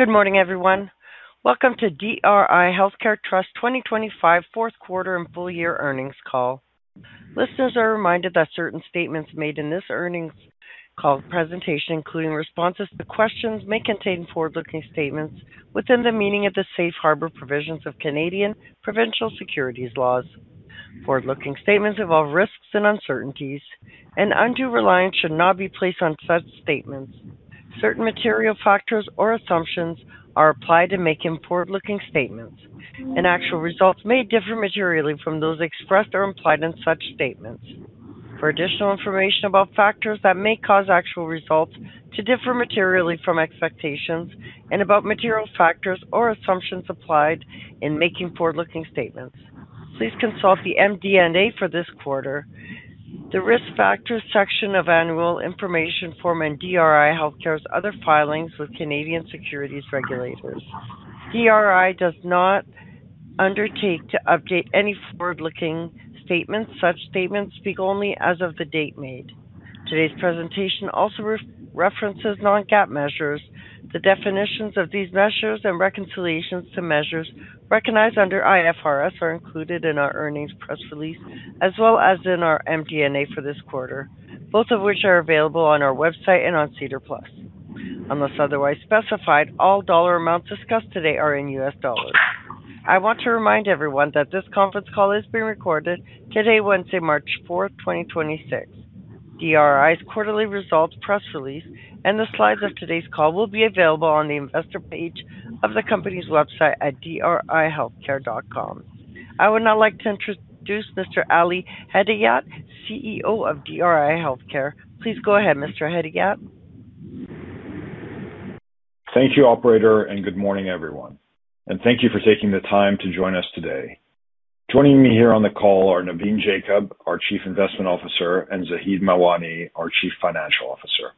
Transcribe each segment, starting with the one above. Good morning, everyone. Welcome to DRI Healthcare Trust 2025 Fourth Quarter and Full Year Earnings Call. Listeners are reminded that certain statements made in this earnings call presentation, including responses to questions, may contain forward-looking statements within the meaning of the Safe Harbor provisions of Canadian provincial securities laws. Forward-looking statements involve risks and uncertainties. Undue reliance should not be placed on such statements. Certain material factors or assumptions are applied in making forward-looking statements. Actual results may differ materially from those expressed or implied in such statements. For additional information about factors that may cause actual results to differ materially from expectations and about material factors or assumptions applied in making forward-looking statements, please consult the MD&A for this quarter. The Risk Factors section of annual information form in DRI Healthcare's other filings with Canadian securities regulators. DRI does not undertake to update any forward-looking statements. Such statements speak only as of the date made. Today's presentation also references non-GAAP measures. The definitions of these measures and reconciliations to measures recognized under IFRS are included in our earnings press release as well as in our MD&A for this quarter, both of which are available on our website and on SEDAR+. Unless otherwise specified, all dollar amounts discussed today are in US dollars. I want to remind everyone that this conference call is being recorded today, Wednesday, March 4th, 2026. DRI's quarterly results press release and the slides of today's call will be available on the Investor page of the company's website at drihealthcare.com. I would now like to introduce Mr. Ali Hedayat, CEO of DRI Healthcare. Please go ahead, Mr. Hedayat. Thank you, operator, good morning, everyone, and thank you for taking the time to join us today. Joining me here on the call are Navin Jacob, our Chief Investment Officer, and Zaheed Mawani, our Chief Financial Officer.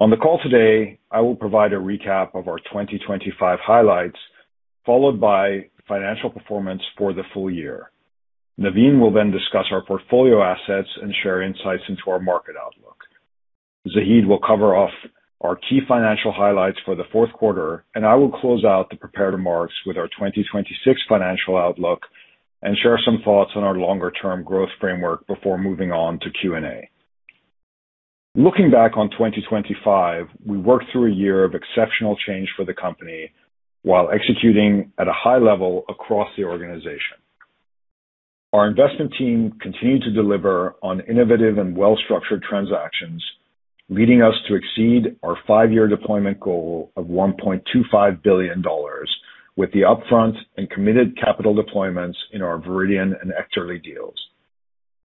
On the call today, I will provide a recap of our 2025 highlights, followed by financial performance for the full year. Navin will then discuss our portfolio assets and share insights into our market outlook. Zaheed will cover off our key financial highlights for the fourth quarter, and I will close out the prepared remarks with our 2026 financial outlook and share some thoughts on our longer term growth framework before moving on to Q&A. Looking back on 2025, we worked through a year of exceptional change for the company while executing at a high level across the organization. Our investment team continued to deliver on innovative and well-structured transactions, leading us to exceed our five-year deployment goal of $1.25 billion with the upfront and committed capital deployments in our Viridian and Ekterly deals.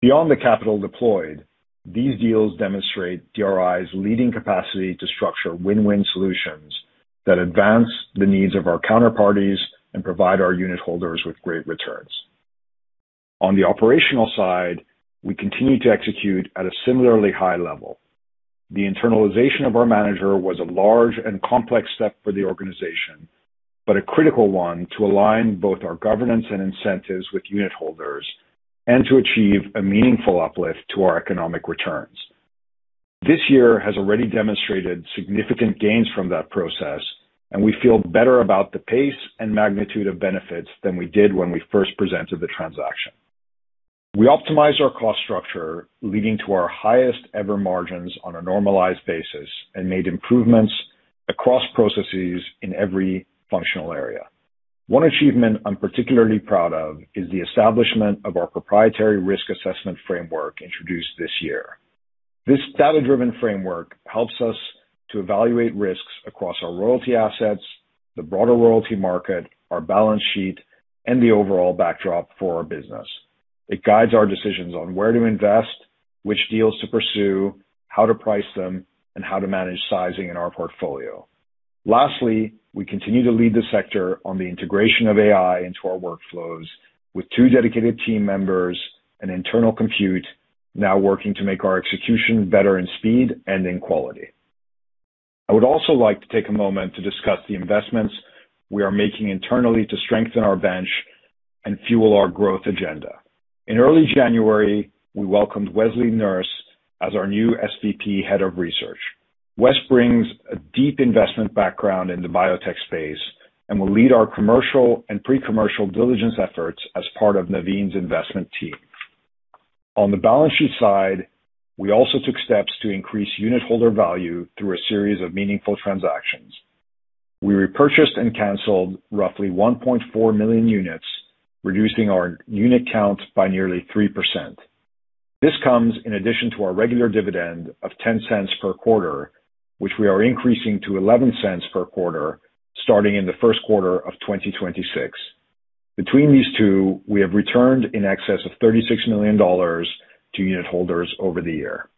Beyond the capital deployed, these deals demonstrate DRI's leading capacity to structure win-win solutions that advance the needs of our counterparties and provide our unitholders with great returns. On the operational side, we continue to execute at a similarly high level. The internalization of our manager was a large and complex step for the organization, but a critical one to align both our governance and incentives with unitholders and to achieve a meaningful uplift to our economic returns. This year has already demonstrated significant gains from that process, and we feel better about the pace and magnitude of benefits than we did when we first presented the transaction. We optimized our cost structure, leading to our highest ever margins on a normalized basis, and made improvements across processes in every functional area. One achievement I'm particularly proud of is the establishment of our proprietary risk assessment framework introduced this year. This data-driven framework helps us to evaluate risks across our royalty assets, the broader royalty market, our balance sheet, and the overall backdrop for our business. It guides our decisions on where to invest, which deals to pursue, how to price them, and how to manage sizing in our portfolio. Lastly, we continue to lead the sector on the integration of AI into our workflows with two dedicated team members and internal compute now working to make our execution better in speed and in quality. I would also like to take a moment to discuss the investments we are making internally to strengthen our bench and fuel our growth agenda. In early January, we welcomed Wesley Nurss as our new SVP, Head of Research. Wes brings a deep investment background in the biotech space and will lead our commercial and pre-commercial diligence efforts as part of Navin's investment team. On the balance sheet side, we also took steps to increase unitholder value through a series of meaningful transactions. We repurchased and canceled roughly 1.4 million units, reducing our unit count by nearly 3%. This comes in addition to our regular dividend of $0.10 per quarter, which we are increasing to $0.11 per quarter starting in the first quarter of 2026. Between these two, we have returned in excess of $36 million to unitholders over the year.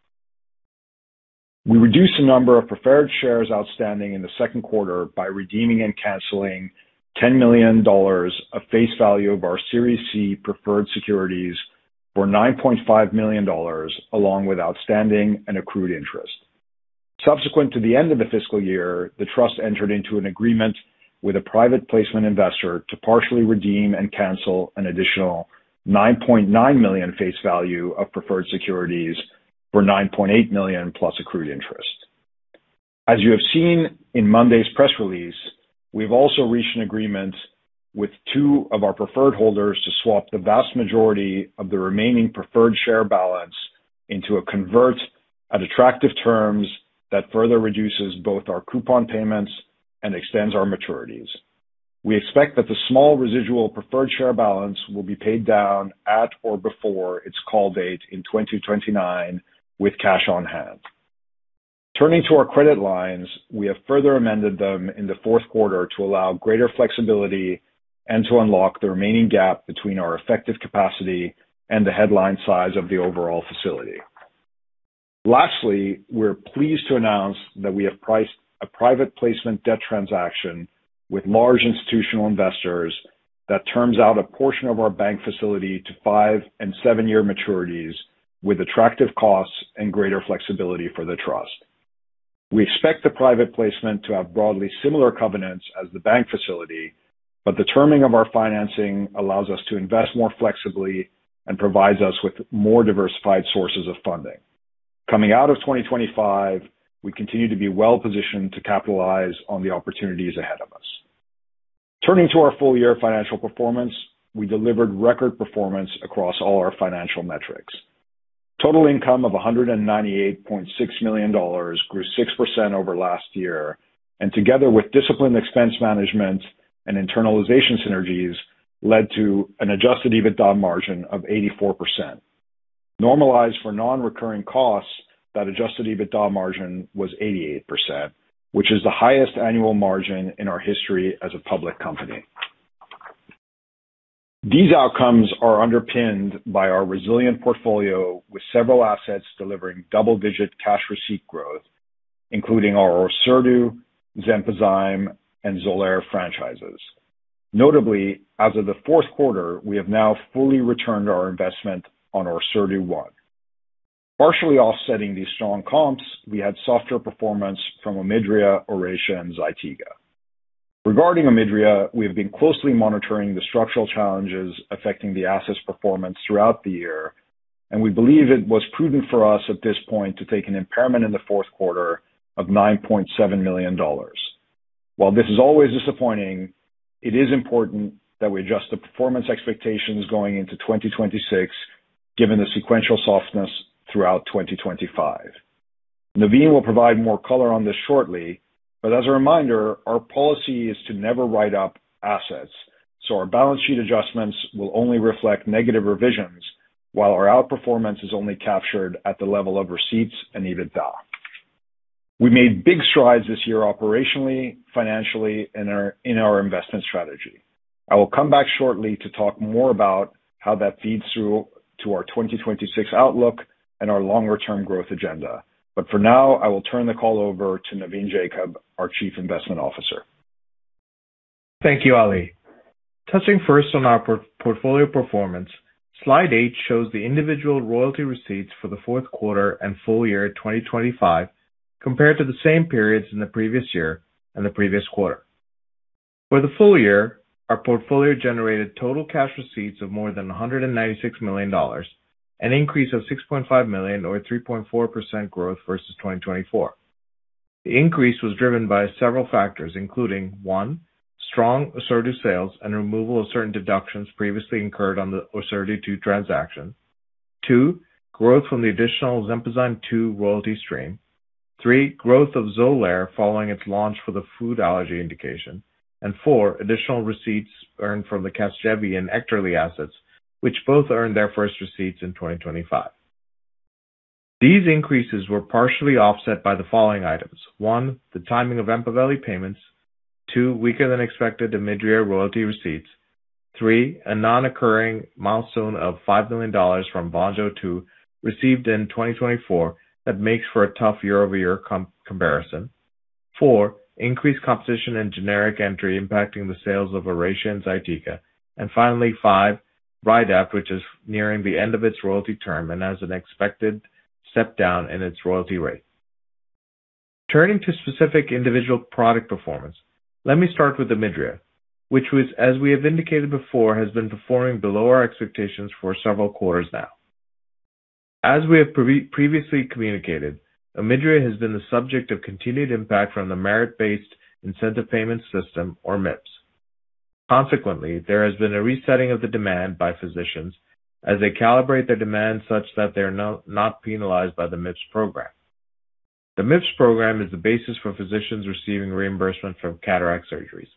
We reduced the number of preferred shares outstanding in the second quarter by redeeming and canceling $10 million of face value of our Series C preferred securities for $9.5 million, along with outstanding and accrued interest. Subsequent to the end of the fiscal year, the trust entered into an agreement with a private placement investor to partially redeem and cancel an additional $9.9 million face value of preferred securities for $9.8 million plus accrued interest. You have seen in Monday's press release, we've also reached an agreement with two of our preferred holders to swap the vast majority of the remaining preferred share balance into a convert at attractive terms that further reduces both our coupon payments and extends our maturities. We expect that the small residual preferred share balance will be paid down at or before its call date in 2029 with cash on hand. Turning to our credit lines, we have further amended them in the fourth quarter to allow greater flexibility and to unlock the remaining gap between our effective capacity and the headline size of the overall facility. Lastly, we're pleased to announce that we have priced a private placement debt transaction with large institutional investors that terms out a portion of our bank facility to five and seven-year maturities with attractive costs and greater flexibility for the trust. We expect the private placement to have broadly similar covenants as the bank facility, but the terming of our financing allows us to invest more flexibly and provides us with more diversified sources of funding. Coming out of 2025, we continue to be well-positioned to capitalize on the opportunities ahead of us. Turning to our full-year financial performance, we delivered record performance across all our financial metrics. Total income of $198.6 million grew 6% over last year, and together with disciplined expense management and internalization synergies led to an Adjusted EBITDA margin of 84%. Normalized for non-recurring costs, that Adjusted EBITDA margin was 88%, which is the highest annual margin in our history as a public company. These outcomes are underpinned by our resilient portfolio with several assets delivering double-digit cash receipt growth, including our Orserdu, Xenpozyme, and XOLAIR franchises. Notably, as of the fourth quarter, we have now fully returned our investment on Orserdu I. Partially offsetting these strong comps, we had softer performance from OMIDRIA, Oracea, and ZYTIGA. Regarding OMIDRIA, we have been closely monitoring the structural challenges affecting the asset's performance throughout the year. We believe it was prudent for us at this point to take an impairment in the fourth quarter of $9.7 million. While this is always disappointing, it is important that we adjust the performance expectations going into 2026 given the sequential softness throughout 2025. Navin will provide more color on this shortly. As a reminder, our policy is to never write up assets, our balance sheet adjustments will only reflect negative revisions, while our outperformance is only captured at the level of receipts and EBITDA. We made big strides this year operationally, financially, in our investment strategy. I will come back shortly to talk more about how that feeds through to our 2026 outlook and our longer-term growth agenda. For now, I will turn the call over to Navin Jacob, our Chief Investment Officer. Thank you, Ali. Touching first on our portfolio performance, slide eight shows the individual royalty receipts for the fourth quarter and full year 2025 compared to the same periods in the previous year and the previous quarter. For the full year, our portfolio generated total cash receipts of more than $196 million, an increase of $6.5 million or 3.4% growth versus 2024. The increase was driven by several factors, including, one, strong Orserdu sales and removal of certain deductions previously incurred on the Orserdu II transaction. Two, growth from the additional Xenpozyme 2 royalty stream. Three, growth of XOLAIR following its launch for the food allergy indication. Four, additional receipts earned from the CASGEVY and Ekterly assets, which both earned their first receipts in 2025. These increases were partially offset by the following items. One, the timing of EMPAVELI payments. Two, weaker than expected OMIDRIA royalty receipts. Three, a non-occurring milestone of $5 million from VONJO received in 2024 that makes for a tough year-over-year comparison. Four, increased competition and generic entry impacting the sales of Oracea and ZYTIGA. Finally, five, Rydapt, which is nearing the end of its royalty term and has an expected step-down in its royalty rate. Turning to specific individual product performance, let me start with OMIDRIA, which was, as we have indicated before, has been performing below our expectations for several quarters now. As we have previously communicated, OMIDRIA has been the subject of continued impact from the Merit-based Incentive Payment System, or MIPS. Consequently, there has been a resetting of the demand by physicians as they calibrate their demand such that they're not penalized by the MIPS program. The MIPS program is the basis for physicians receiving reimbursement from cataract surgeries.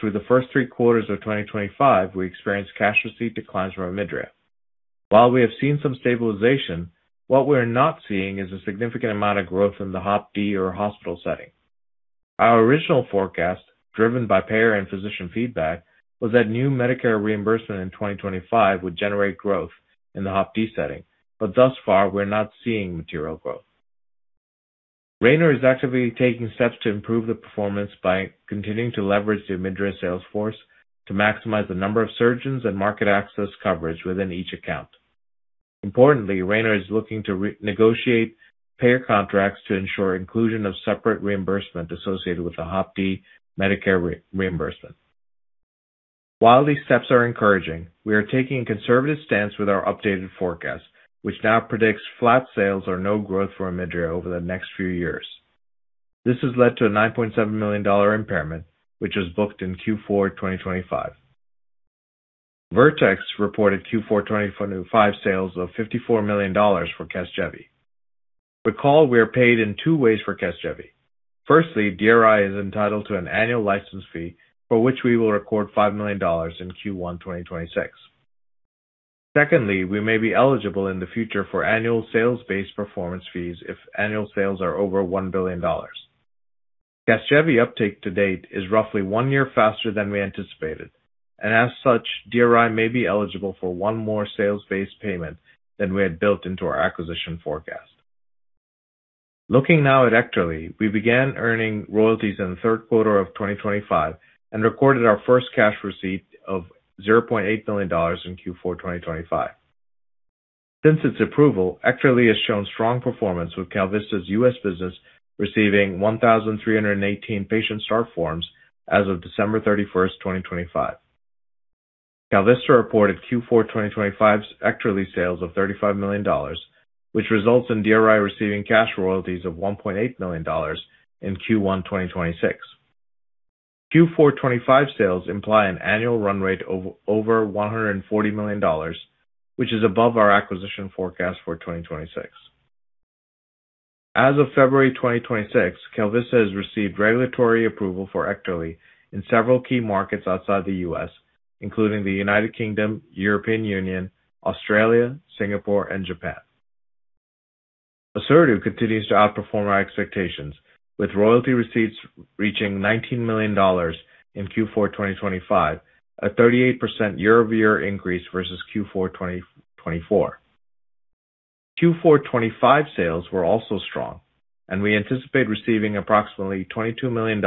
Through the first three quarters of 2025, we experienced cash receipt declines from OMIDRIA. While we have seen some stabilization, what we're not seeing is a significant amount of growth in the HOPD or hospital setting. Our original forecast, driven by payer and physician feedback, was that new Medicare reimbursement in 2025 would generate growth in the HOPD setting, thus far, we're not seeing material growth. Rayner is actively taking steps to improve the performance by continuing to leverage the OMIDRIA sales force to maximize the number of surgeons and market access coverage within each account. Importantly, Rayner is looking to re-negotiate payer contracts to ensure inclusion of separate reimbursement associated with the HOPD Medicare re-reimbursement. While these steps are encouraging, we are taking a conservative stance with our updated forecast, which now predicts flat sales or no growth for OMIDRIA over the next few years. This has led to a $9.7 million impairment, which was booked in Q4 2025. Vertex reported Q4 2025 sales of $54 million for CASGEVY. Recall we are paid in two ways for CASGEVY. Firstly, DRI is entitled to an annual license fee, for which we will record $5 million in Q1 2026. Secondly, we may be eligible in the future for annual sales-based performance fees if annual sales are over $1 billion. CASGEVY uptake to date is roughly one year faster than we anticipated, and as such, DRI may be eligible for one more sales-based payment than we had built into our acquisition forecast. Looking now at Ekterly, we began earning royalties in the third quarter of 2025 and recorded our first cash receipt of $0.8 million in Q4 2025. Since its approval, Ekterly has shown strong performance, withKalVista's U.S. business receiving 1,318 patient start forms as of December 31st, 2025. KalVista reported Q4 2025's Ekterly sales of $35 million, which results in DRI receiving cash royalties of $1.8 million in Q1 2026. Q4 2025 sales imply an annual run-rate over $140 million, which is above our acquisition forecast for 2026. As of February 2026, KalVista has received regulatory approval for Ekterly in several key markets outside the U.S., including the United Kingdom, European Union, Australia, Singapore, and Japan. Orserdu continues to outperform our expectations, with royalty receipts reaching $19 million in Q4 2025, a 38% year-over-year increase versus Q4 2024. Q4 2025 sales were also strong, we anticipate receiving approximately $22 million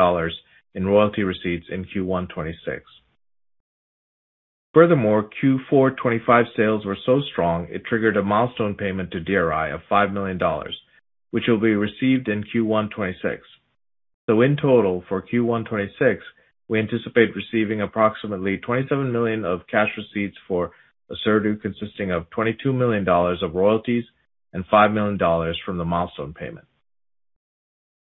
in royalty receipts in Q1 2026. Furthermore, Q4 2025 sales were so strong it triggered a milestone payment to DRI of $5 million, which will be received in Q1 2026. In total, for Q1 2026, we anticipate receiving approximately $27 million of cash receipts for Orserdu, consisting of $22 million of royalties and $5 million from the milestone payment.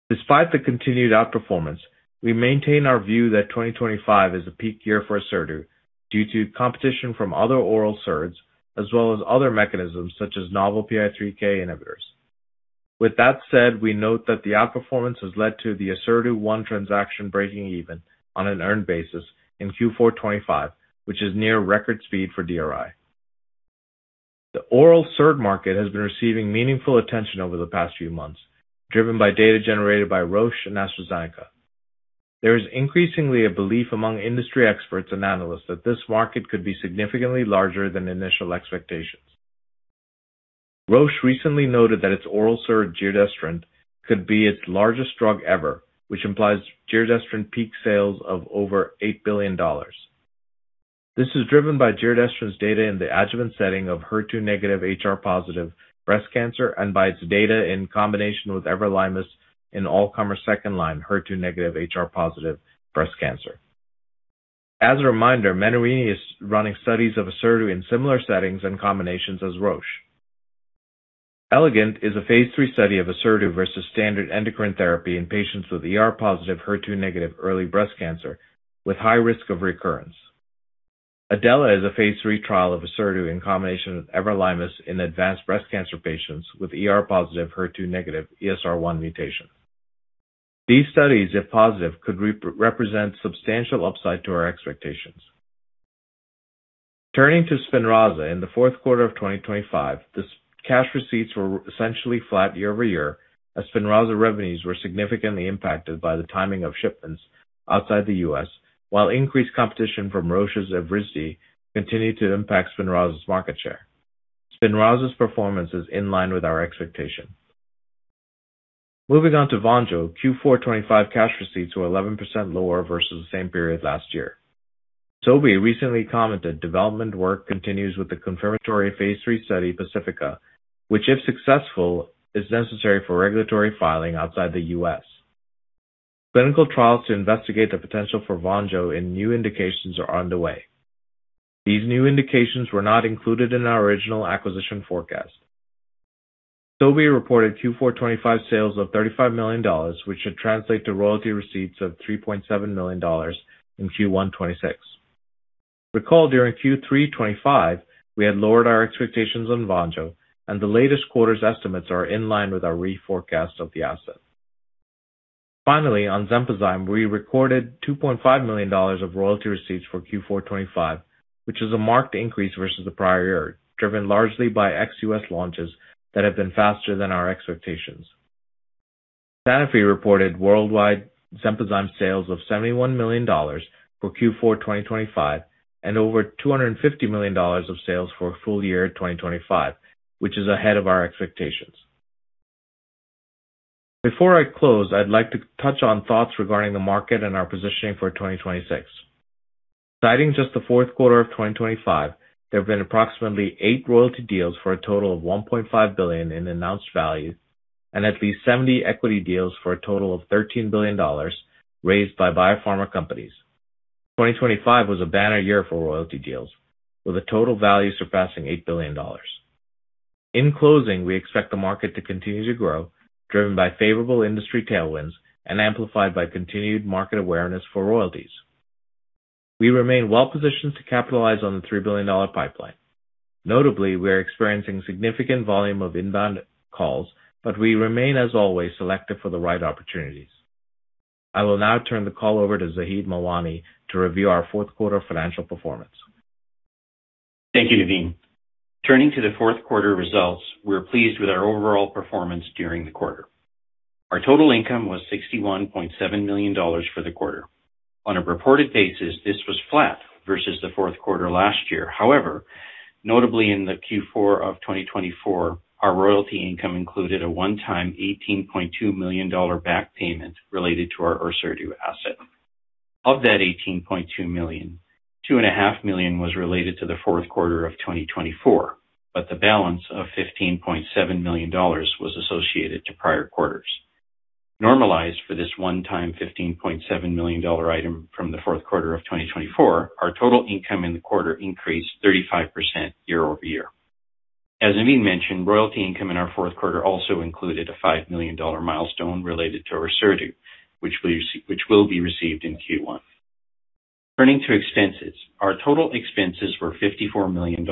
Despite the continued outperformance, we maintain our view that 2025 is a peak year for Orserdu due to competition from other oral SERDs, as well as other mechanisms such as novel PI3K inhibitors. With that said, we note that the outperformance has led to the Orserdu transaction breaking even on an earned basis in Q4 2025, which is near record speed for DRI. The oral SERD market has been receiving meaningful attention over the past few months, driven by data generated by Roche and AstraZeneca. There is increasingly a belief among industry experts and analysts that this market could be significantly larger than initial expectations. Roche recently noted that its oral SERD, giredestrant, could be its largest drug ever, which implies giredestrant peak sales of over $8 billion. This is driven by giredestrant's data in the adjuvant setting of HER2-negative, HR-positive breast cancer and by its data in combination with everolimus in all comer second-line HER2-negative, HR-positive breast cancer. As a reminder, Menarini is running studies of Orserdu in similar settings and combinations as Roche. ELEGANT is a phase III study of Orserdu versus standard endocrine therapy in patients with ER-positive, HER2-negative early breast cancer with high risk of recurrence. ADELA is a phase III trial of Orserdu in combination with everolimus in advanced breast cancer patients with ER-positive, HER2-negative ESR1 mutation. These studies, if positive, could re-represent substantial upside to our expectations. Turning to SPINRAZA. In the fourth quarter of 2025, this cash receipts were essentially flat year-over-year as SPINRAZA revenues were significantly impacted by the timing of shipments outside the US while increased competition from Roche's Evrysdi continued to impact SPINRAZA's market share. SPINRAZA's performance is in line with our expectations. Moving on to VONJO. Q4 2025 cash receipts were 11% lower versus the same period last year. Sobi recently commented development work continues with the confirmatory phase III study, PACIFICA, which, if successful, is necessary for regulatory filing outside the U.S. Clinical trials to investigate the potential for VONJO in new indications are underway. These new indications were not included in our original acquisition forecast. Sobi reported Q4 2025 sales of $35 million, which should translate to royalty receipts of $3.7 million in Q1 2026. Recall during Q3 2025, we had lowered our expectations on VONJO, and the latest quarter's estimates are in line with our reforecast of the asset. Finally, on Xenpozyme, we recorded $2.5 million of royalty receipts for Q4 2025, which is a marked increase versus the prior year, driven largely by ex-U.S. launches that have been faster than our expectations. Sanofi reported worldwide Xenpozyme sales of $71 million for Q4 2025 and over $250 million of sales for full year 2025, which is ahead of our expectations. Before I close, I'd like to touch on thoughts regarding the market and our positioning for 2026. Citing just the fourth quarter of 2025, there have been approximately 8 royalty deals for a total of $1.5 billion in announced value and at least 70 equity deals for a total of $13 billion raised by Biopharma companies. 2025 was a banner year for royalty deals, with a total value surpassing $8 billion. In closing, we expect the market to continue to grow, driven by favorable industry tailwinds and amplified by continued market awareness for royalties. We remain well-positioned to capitalize on the $3 billion pipeline. Notably, we are experiencing significant volume of inbound calls, but we remain, as always, selective for the right opportunities. I will now turn the call over to Zaheed Mawani to review our fourth quarter financial performance. Thank you, Navin. Turning to the fourth quarter results, we're pleased with our overall performance during the quarter. Our total income was $61.7 million for the quarter. On a reported basis, this was flat versus the fourth quarter last year. However, notably in the Q4 of 2024, our royalty income included a one-time $18.2 million back payment related to our Ursodiol asset. Of that $18.2 million, two and a half million was related to the fourth quarter of 2024, but the balance of $15.7 million was associated to prior quarters. Normalized for this one-time $15.7 million item from the fourth quarter of 2024, our total income in the quarter increased 35% year-over-year. As Navin mentioned, royalty income in our fourth quarter also included a $5 million milestone related to Ursodiol, which will be received in Q1. Turning to expenses, our total expenses were $54 million,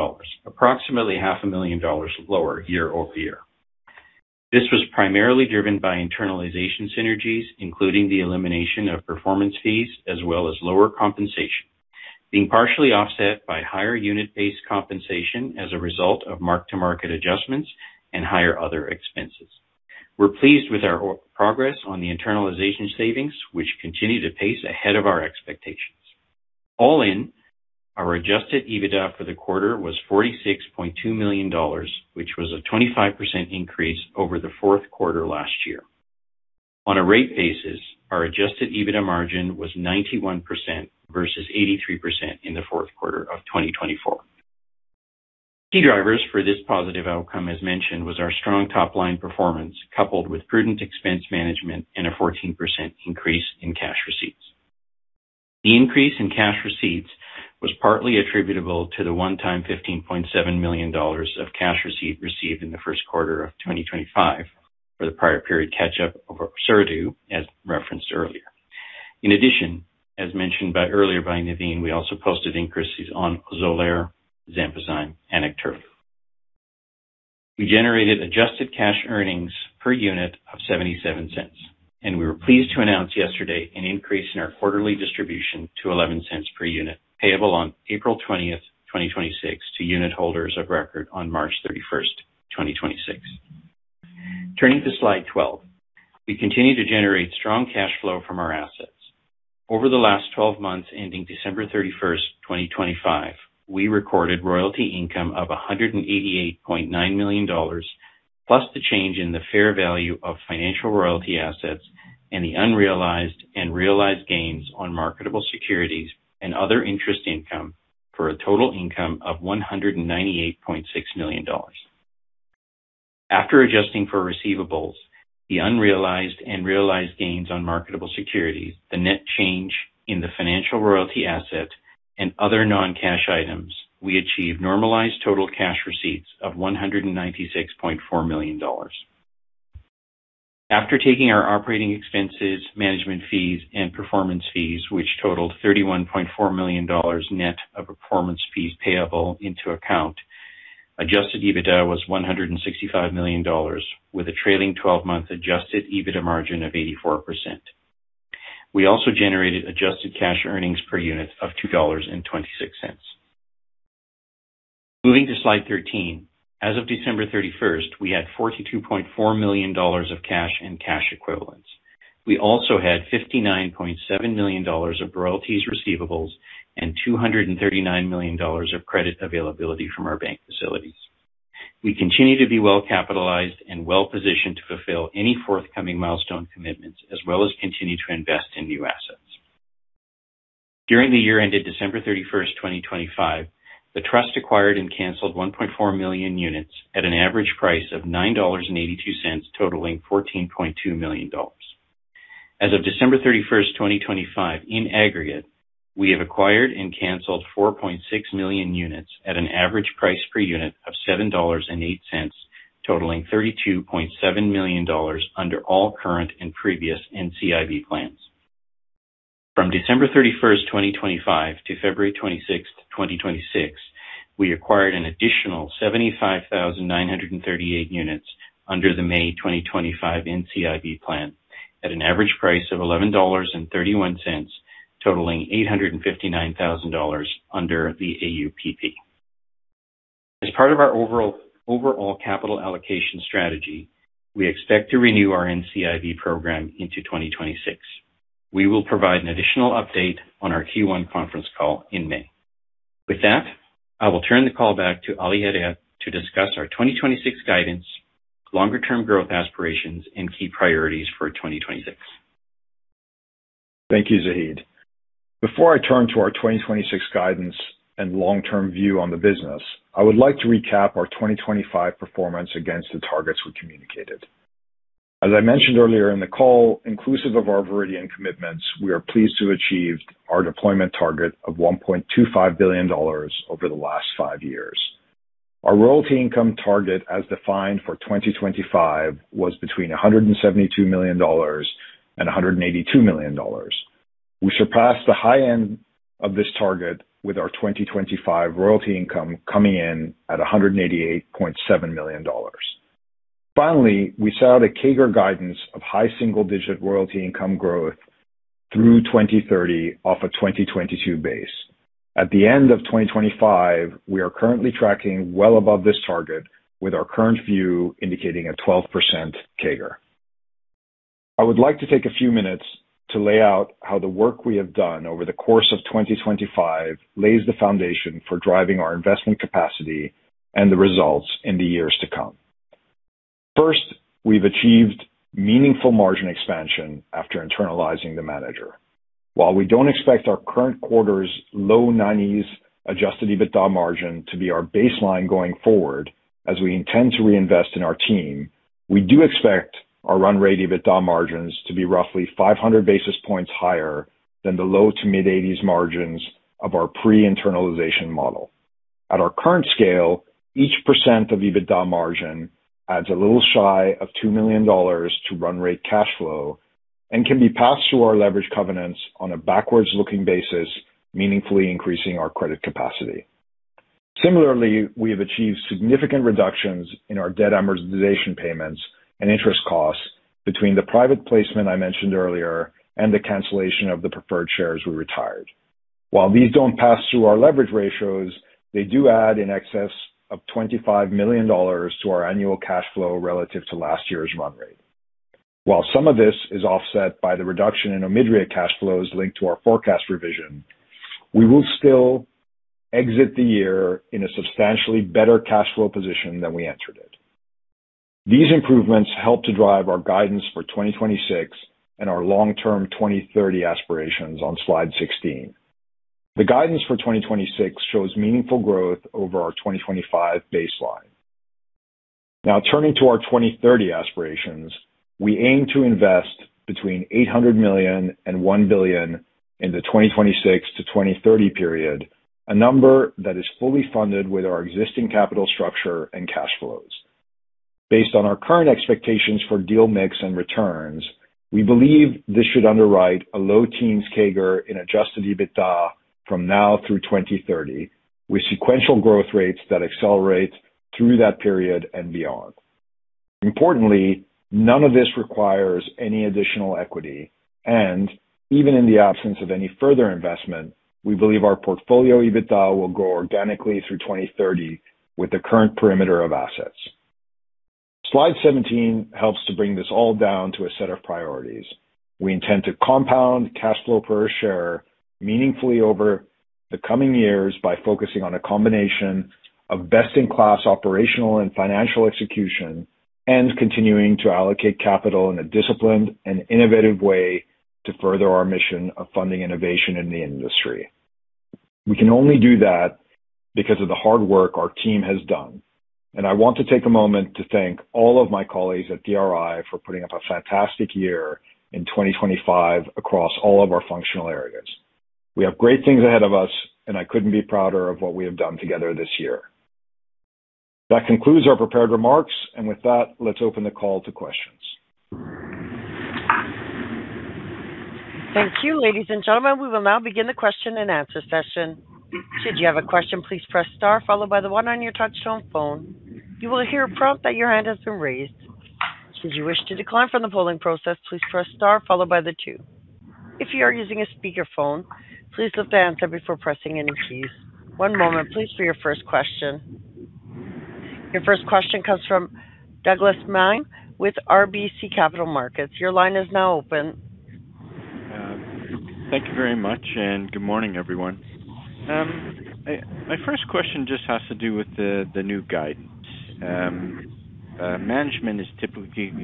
approximately half a million dollars lower year-over-year. This was primarily driven by internalization synergies, including the elimination of performance fees as well as lower compensation, being partially offset by higher unit-based compensation as a result of mark-to-market adjustments and higher other expenses. We're pleased with our progress on the internalization savings, which continue to pace ahead of our expectations. All in, our Adjusted EBITDA for the quarter was $46.2 million, which was a 25% increase over the fourth quarter last year. On a rate basis, our Adjusted EBITDA margin was 91% versus 83% in the fourth quarter of 2024. Key drivers for this positive outcome, as mentioned, was our strong top-line performance, coupled with prudent expense management and a 14% increase in cash receipts. The increase in cash receipts was partly attributable to the one-time $15.7 million of cash receipt received in the first quarter of 2025 for the prior period catch up of Ursodiol, as referenced earlier. In addition, as mentioned by Navin, we also posted increases on XOLAIR, Xenpozyme, and Ekterly. We generated Adjusted Cash Earnings per Unit of $0.77, and we were pleased to announce yesterday an increase in our quarterly distribution to $0.11 per unit, payable on April 20th 2026 to unitholders of record on March 31st 2026. Turning to slide 12. We continue to generate strong cash flow from our assets. Over the last 12 months, ending December 31st 2025, we recorded royalty income of $188.9 million, plus the change in the fair value of financial royalty assets and the unrealized and realized gains on marketable securities and other interest income for a total income of $198.6 million. After adjusting for receivables, the unrealized and realized gains on marketable securities, the net change in the financial royalty asset and other non-cash items, we achieved normalized total cash receipts of $196.4 million. After taking our operating expenses, management fees, and performance fees, which totaled $31.4 million net of performance fees payable into account, Adjusted EBITDA was $165 million, with a trailing 12-month Adjusted EBITDA margin of 84%. We also generated adjusted cash earnings per unit of $2.26. Moving to slide 13. As of December 31st, we had $42.4 million of cash and cash equivalents. We also had $59.7 million of royalties receivables and $239 million of credit availability from our bank facilities. We continue to be well-capitalized and well-positioned to fulfill any forthcoming milestone commitments, as well as continue to invest in new assets. During the year ended December 31st, 2025, the trust acquired and canceled 1.4 million units at an average price of $9.82, totaling $14.2 million. As of December 31, 2025, in aggregate, we have acquired and canceled 4.6 million units at an average price per unit of $7.08, totaling $32.7 million under all current and previous NCIB plans. From December 31, 2025 to February 26, 2026, we acquired an additional 75,938 units under the May 2025 NCIB plan at an average price of $11.31, totaling $859,000 under the AUPP. As part of our overall capital allocation strategy, we expect to renew our NCIB program into 2026. We will provide an additional update on our Q1 conference call in May. With that, I will turn the call back to Ali Hedayat to discuss our 2026 guidance, longer term growth aspirations, and key priorities for 2026. Thank you, Zaheed. Before I turn to our 2026 guidance and long-term view on the business, I would like to recap our 2025 performance against the targets we communicated. As I mentioned earlier in the call, inclusive of our Viridian commitments, we are pleased to achieve our deployment target of $1.25 billion over the last five years. Our royalty income target, as defined for 2025, was between $172 million and $182 million. We surpassed the high end of this target with our 2025 royalty income coming in at $188.7 million. Finally, we set out a CAGR guidance of high single-digit royalty income growth through 2030 off a 2022 base. At the end of 2025, we are currently tracking well above this target with our current view indicating a 12% CAGR. I would like to take a few minutes to lay out how the work we have done over the course of 2025 lays the foundation for driving our investment capacity and the results in the years to come. First, we've achieved meaningful margin expansion after internalizing the manager. While we don't expect our current quarter's low nineties Adjusted EBITDA margin to be our baseline going forward, as we intend to reinvest in our team, we do expect our run rate EBITDA margins to be roughly 500 basis points higher than the low to mid-eighties margins of our pre-internalization model. At our current scale, each % of EBITDA margin adds a little shy of $2 million to run rate cash flow and can be passed through our leverage covenants on a backwards looking basis, meaningfully increasing our credit capacity. Similarly, we have achieved significant reductions in our debt amortization payments and interest costs between the private placement I mentioned earlier and the cancellation of the preferred shares we retired. While these don't pass through our leverage ratios, they do add in excess of $25 million to our annual cash flow relative to last year's run rate. While some of this is offset by the reduction in OMIDRIA cash flows linked to our forecast revision, we will still exit the year in a substantially better cash flow position than we entered it. These improvements help to drive our guidance for 2026 and our long-term 2030 aspirations on slide 16. The guidance for 2026 shows meaningful growth over our 2025 baseline. Turning to our 2030 aspirations. We aim to invest between $800 million and $1 billion in the 2026 to 2030 period, a number that is fully funded with our existing capital structure and cash flows. Based on our current expectations for deal mix and returns, we believe this should underwrite a low teens CAGR in Adjusted EBITDA from now through 2030, with sequential growth rates that accelerate through that period and beyond. Importantly, none of this requires any additional equity. Even in the absence of any further investment, we believe our portfolio, EBITDA, will grow organically through 2030 with the current perimeter of assets. Slide 17 helps to bring this all down to a set of priorities. We intend to compound cash flow per share meaningfully over the coming years by focusing on a combination of best-in-class operational and financial execution, continuing to allocate capital in a disciplined and innovative way to further our mission of funding innovation in the industry. We can only do that because of the hard work our team has done. I want to take a moment to thank all of my colleagues at DRI for putting up a fantastic year in 2025 across all of our functional areas. We have great things ahead of us, and I couldn't be prouder of what we have done together this year. That concludes our prepared remarks. With that, let's open the call to questions. Thank you, ladies and gentlemen. We will now begin the question and answer session. Should you have a question, please press star followed by the one on your touchtone phone. You will hear a prompt that your hand has been raised. Should you wish to decline from the polling process, please press star followed by the two. If you are using a speakerphone, please lift to answer before pressing any keys. One moment please for your first question. Your first question comes from Douglas Miehm with RBC Capital Markets. Your line is now open. Thank you very much, and good morning, everyone. My first question just has to do with the new guidance. Management is typically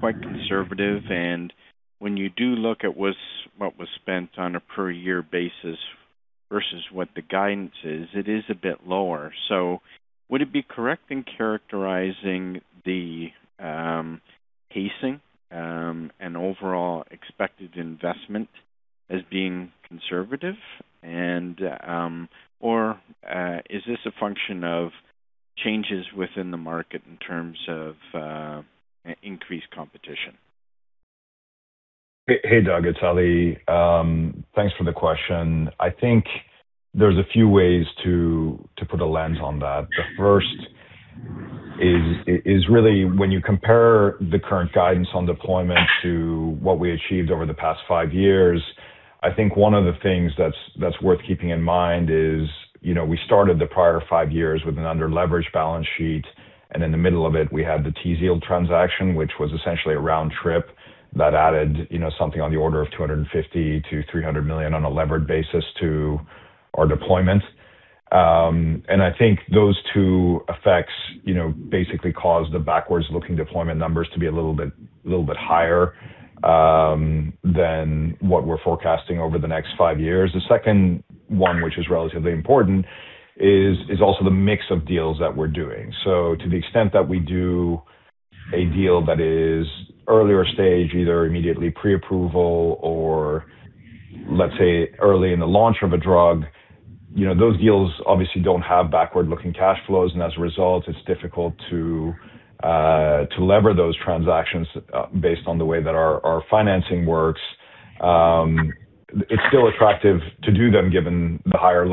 quite conservative, and when you do look at what was spent on a per year basis versus what the guidance is, it is a bit lower. Would it be correct in characterizing the CapEx and overall expected investment as being conservative, or is this a function of changes within the market in terms of increased competition? Hey, Doug, it's Ali. Thanks for the question. I think there's a few ways to put a lens on that. The first is really when you compare the current guidance on deployment to what we achieved over the past five years, I think one of the things that's worth keeping in mind is, you know, we started the prior five years with an under-leveraged balance sheet. In the middle of it, we had the Tzield transaction, which was essentially a round trip that added, you know, something on the order of $250 million-$300 million on a levered basis to our deployment. I think those two effects, you know, basically caused the backwards looking deployment numbers to be a little bit higher than what we're forecasting over the next five years. The second one, which is relatively important, is also the mix of deals that we're doing. To the extent that we do a deal that is earlier stage, either immediately pre-approval or let's say early in the launch of a drug, you know, those deals obviously don't have backward-looking cash flows, and as a result, it's difficult to lever those transactions based on the way that our financing works. It's still attractive to do them given the higher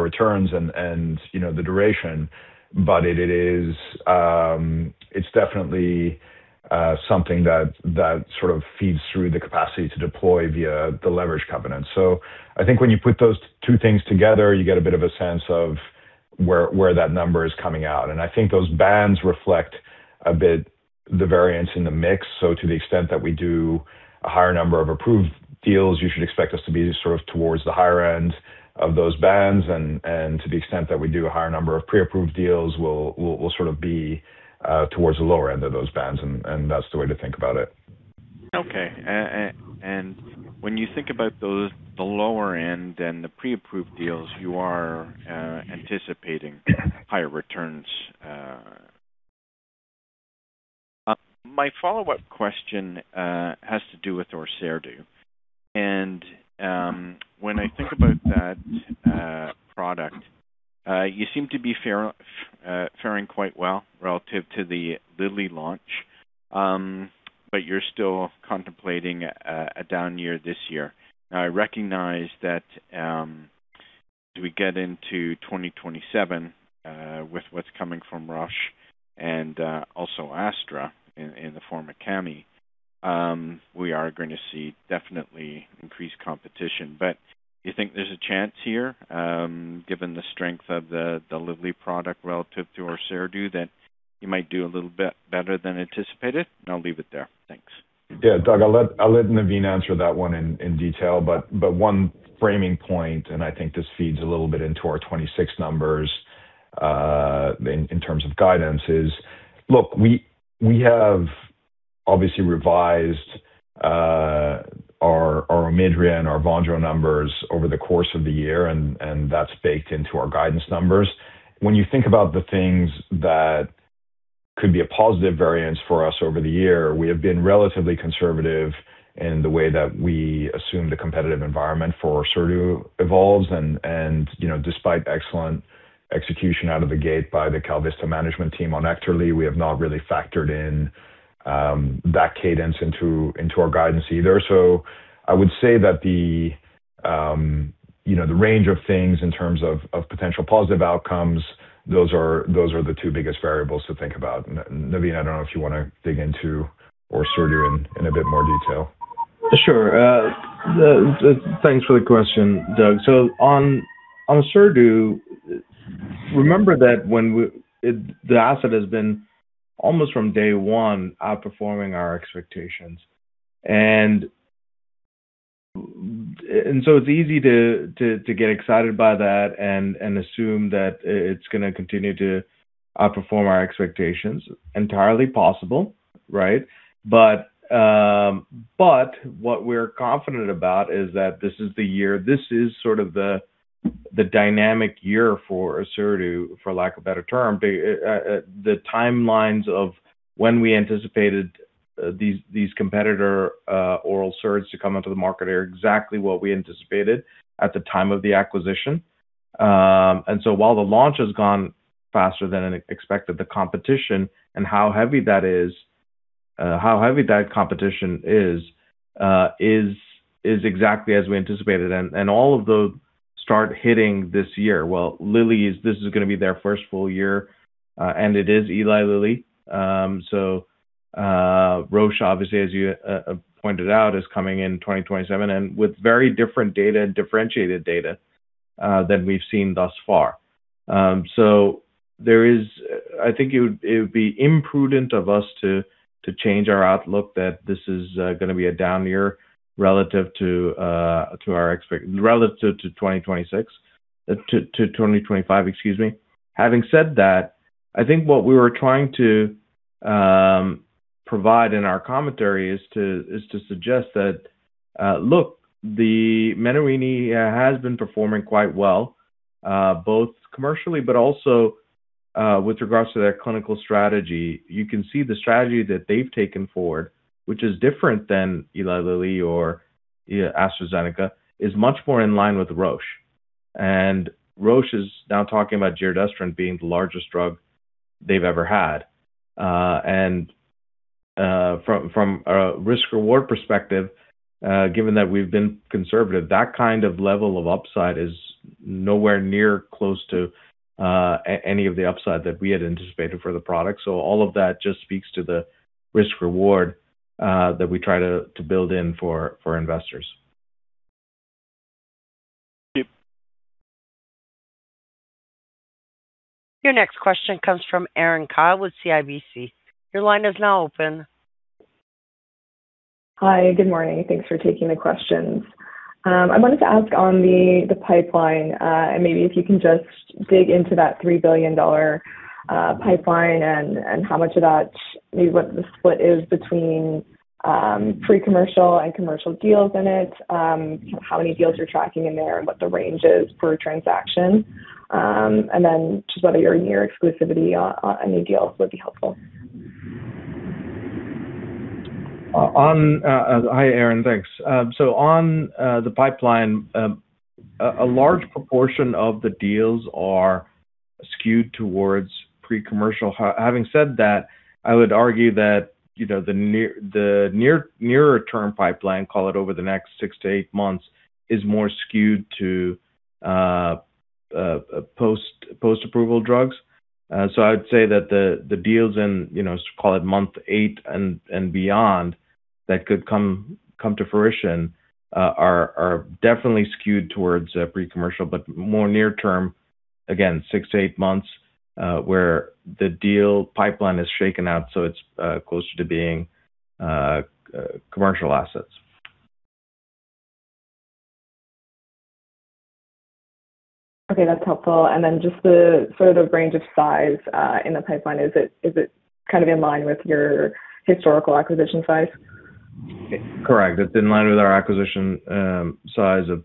returns and you know, the duration. It is, it's definitely something that sort of feeds through the capacity to deploy via the leverage covenants. I think when you put those two things together, you get a bit of a sense of where that number is coming out. I think those bands reflect a bit the variance in the mix. To the extent that we do a higher number of approved deals, you should expect us to be sort of towards the higher end of those bands. To the extent that we do a higher number of pre-approved deals, we'll sort of be towards the lower end of those bands. That's the way to think about it. Okay. When you think about those, the lower end and the pre-approved deals, you are anticipating higher returns. My follow-up question has to do with Orserdu. When I think about that product, you seem to be fairing quite well relative to the Lilly launch, but you're still contemplating a down year this year. Now I recognize that as we get into 2027, with what's coming from Roche and also Astra in the form of Cammy, we are gonna see definitely increased competition. Do you think there's a chance here, given the strength of the Lilly product relative to Orserdu that you might do a little better than anticipated? I'll leave it there. Thanks. Yeah. Doug, I'll let Navin answer that one in detail, but one framing point, I think this feeds a little bit into our 26 numbers in terms of guidance, is look, we have obviously revised our OMIDRIA and our VONJO numbers over the course of the year and that's baked into our guidance numbers. When you think about the things that could be a positive variance for us over the year, we have been relatively conservative in the way that we assume the competitive environment for Orserdu evolves and, you know, despite excellent execution out of the gate by the KalVista management team on Ekterly, we have not really factored in that cadence into our guidance either. I would say that the, you know, the range of things in terms of potential positive outcomes, those are the two biggest variables to think about. Navin, I don't know if you wanna dig into Orserdu in a bit more detail. Sure. Thanks for the question, Doug. On Orserdu, remember that the asset has been almost from day one outperforming our expectations. It's easy to get excited by that and assume that it's gonna continue to outperform our expectations. Entirely possible, right? What we're confident about is that this is the year, this is sort of the dynamic year for Orserdu, for lack of a better term. The timelines of when we anticipated these competitor oral SERDs to come into the market are exactly what we anticipated at the time of the acquisition. While the launch has gone faster than expected, the competition and how heavy that is, how heavy that competition is exactly as we anticipated. All of those start hitting this year. Well, Lilly's, this is gonna be their first full year, and it is Eli Lilly. Roche obviously, as you pointed out, is coming in 2027 and with very different data and differentiated data than we've seen thus far. I think it would be imprudent of us to change our outlook that this is gonna be a down year relative to 2026, to 2025, excuse me. Having said that, I think what we were trying to provide in our commentary is to suggest that, look, the Menarini has been performing quite well, both commercially but also with regards to their clinical strategy. You can see the strategy that they've taken forward, which is different than Eli Lilly or, you know, AstraZeneca, is much more in line with Roche. Roche is now talking about giredestrant, being the largest drug they've ever had. From a risk/reward perspective, given that we've been conservative, that kind of level of upside is nowhere near close to any of the upside that we had anticipated for the product. All of that just speaks to the risk/reward that we try to build in for investors. Your next question comes from Erin Kyle with CIBC. Your line is now open. Hi, good morning. Thanks for taking the questions. I wanted to ask on the pipeline, and maybe if you can just dig into that $3 billion pipeline and how much of that, what the split is between pre-commercial and commercial deals in it? How many deals you're tracking in there and what the range is per transaction? Just whether you're near exclusivity on any deals would be helpful. Hi, Erin. Thanks. On the pipeline, a large proportion of the deals are skewed towards pre-commercial. Having said that, I would argue that, you know, the nearer term pipeline, call it over the next six to eight months, is more skewed to post-approval drugs. I'd say that the deals in, you know, call it month eight and beyond that could come to fruition, are definitely skewed towards pre-commercial, but more near term, again, six to eight months, where the deal pipeline is shaken out, so it's closer to being commercial assets. Okay, that's helpful. Just the sort of range of size in the pipeline. Is it kind of in line with your historical acquisition size? Correct. It's in line with our acquisition, size of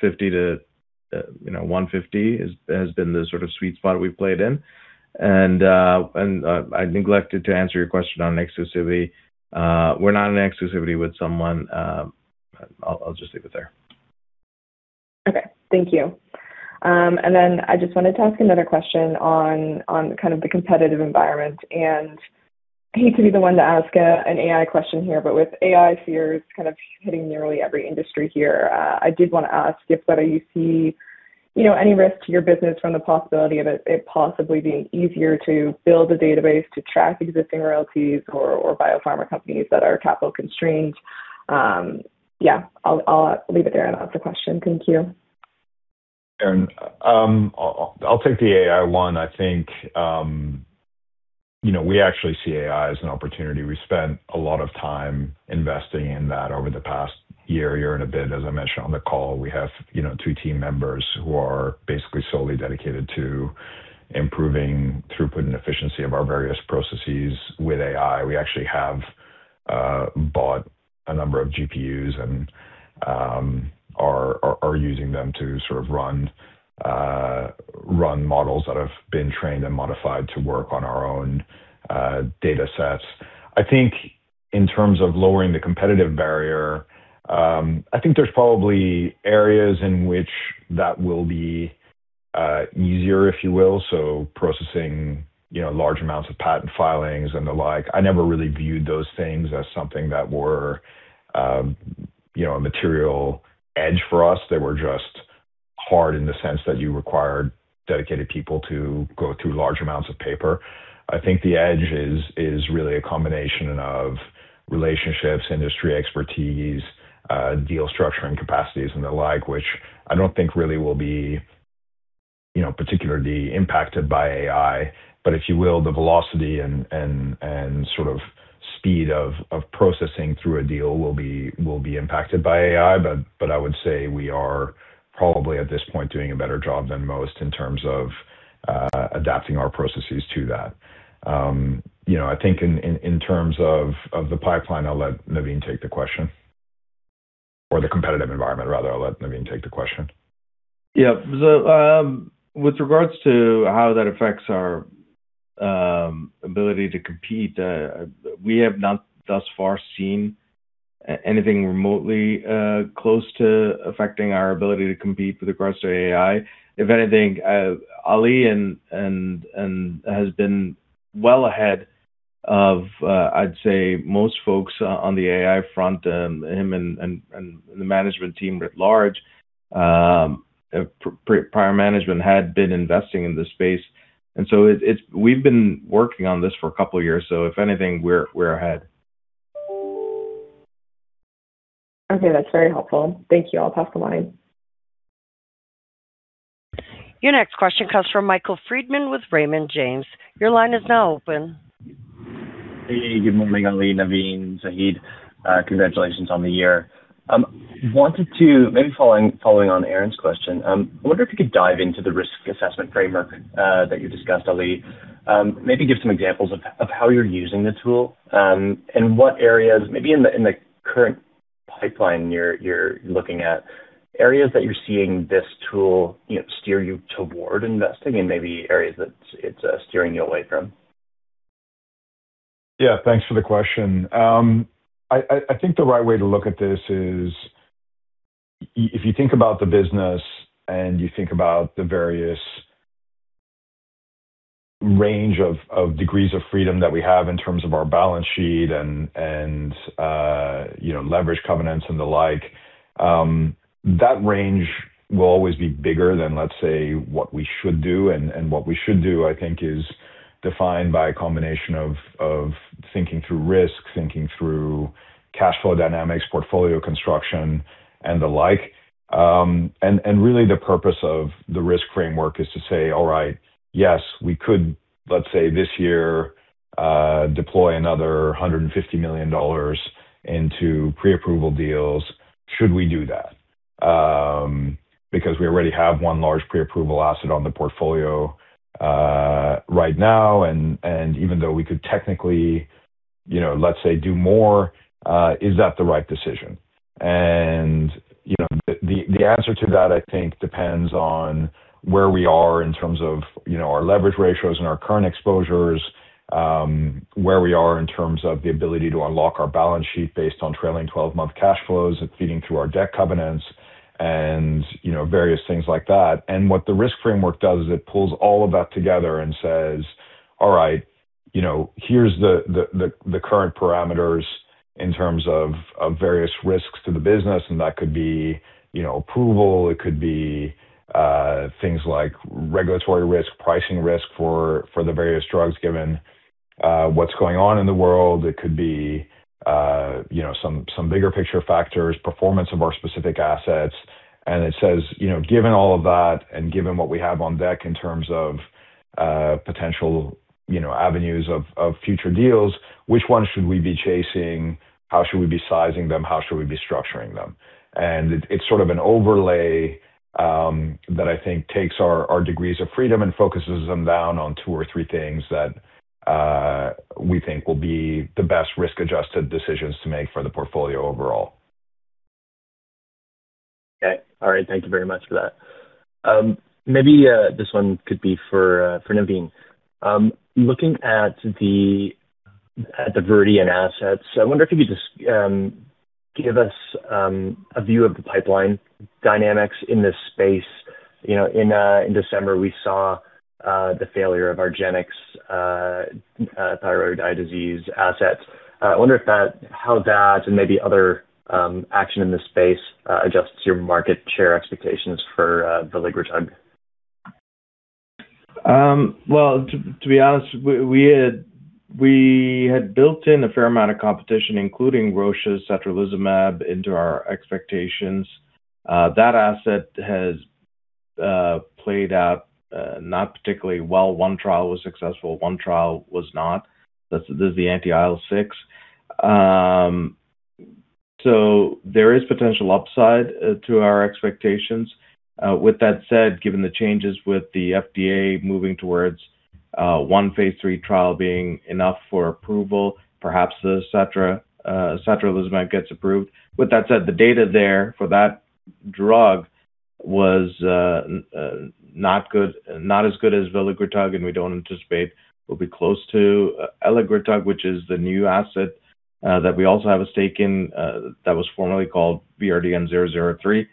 50 to, you know, 150 has been the sort of sweet spot we've played in. I neglected to answer your question on exclusivity. We're not in exclusivity with someone. I'll just leave it there. Okay. Thank you. Then I just wanted to ask another question on kind of the competitive environment. With AI fears kind of hitting nearly every industry here, I did wanna ask if whether you see, you know, any risk to your business from the possibility of it possibly being easier to build a database to track existing royalties or biopharma companies that are capital constrained? Yeah, I'll leave it there and ask the question. Thank you. Erin, I'll take the AI one. I think, you know, we actually see AI as an opportunity. We spent a lot of time investing in that over the past year and a bit. As I mentioned on the call, we have, you know, two team members who are basically solely dedicated to improving throughput and efficiency of our various processes with AI. We actually have bought a number of GPUs and are using them to sort of run models that have been trained and modified to work on our own datasets. I think in terms of lowering the competitive barrier, I think there's probably areas in which that will be easier, if you will, so processing, you know, large amounts of patent filings and the like. I never really viewed those things as something that were, you know, a material edge for us. They were just hard in the sense that you required dedicated people to go through large amounts of paper. I think the edge is really a combination of relationships, industry expertise, deal structuring capacities and the like, which I don't think really will be, you know, particularly impacted by AI. If you will, the velocity and sort of speed of processing through a deal will be impacted by AI. I would say we are probably at this point doing a better job than most in terms of adapting our processes to that. You know, I think in terms of the pipeline, I'll let Navin take the question. Or the competitive environment, rather. I'll let Navin take the question. Yeah. The with regards to how that affects our ability to compete, we have not thus far seen anything remotely close to affecting our ability to compete with regards to AI. If anything, Ali has been well ahead of I'd say most folks on the AI front, him and the management team writ large. Prior management had been investing in this space. We've been working on this for a couple years, so if anything, we're ahead. Okay, that's very helpful. Thank you. I'll pass the line. Your next question comes from Michael Freeman with Raymond James. Your line is now open. Hey, good morning, Ali, Navin, Zaheed. Congratulations on the year. Wanted to maybe following on Erin's question, I wonder if you could dive into the risk assessment framework that you discussed, Ali. Maybe give some examples of how you're using the tool, and what areas maybe in the current pipeline you're looking at. Areas that you're seeing this tool, you know, steer you toward investing and maybe areas that it's steering you away from. Yeah. Thanks for the question. I think the right way to look at this is if you think about the business and you think about the various range of degrees of freedom that we have in terms of our balance sheet and, you know, leverage covenants and the like, that range will always be bigger than, let's say, what we should do. What we should do, I think, is defined by a combination of thinking through risk, thinking through cash flow dynamics, portfolio construction and the like. Really the purpose of the risk framework is to say, all right, yes, we could, let's say, this year, deploy another $150 million into pre-approval deals. Should we do that? Because we already have one large pre-approval asset on the portfolio right now, even though we could technically, let's say, do more, is that the right decision? The answer to that, I think, depends on where we are in terms of our leverage ratios and our current exposures, where we are in terms of the ability to unlock our balance sheet based on trailing 12-month cash flows and feeding through our debt covenants and various things like that. What the risk framework does is it pulls all of that together and says, "All right, you know, here's the current parameters in terms of various risks to the business," and that could be, you know, approval, it could be things like regulatory risk, pricing risk for the various drugs given what's going on in the world. It could be, you know, some bigger picture factors, performance of our specific assets. It says, you know, given all of that and given what we have on deck in terms of potential, you know, avenues of future deals, which ones should we be chasing? How should we be sizing them? How should we be structuring them? It's sort of an overlay, that I think takes our degrees of freedom and focuses them down on two or three things that, we think will be the best risk-adjusted decisions to make for the portfolio overall. Okay. All right. Thank you very much for that. Maybe this one could be for Navin. Looking at the Viridian assets, I wonder if you just give us a view of the pipeline dynamics in this space. You know, in December, we saw the failure of argenx Thyroid Eye Disease asset. I wonder how that and maybe other action in this space adjusts your market share expectations for Veligrotug. Well, to be honest, we had built in a fair amount of competition, including Roche's satralizumab into our expectations. That asset has played out not particularly well. One trial was successful, one trial was not. That's the Anti-IL-6. There is potential upside to our expectations. With that said, given the changes with the FDA moving towards one phase III trial being enough for approval, perhaps the satralizumab gets approved. With that said, the data there for that drug was not good, not as good as veligrotug, and we don't anticipate will be close to elegrobart, which is the new asset that we also have a stake in that was formerly called VRDN-003.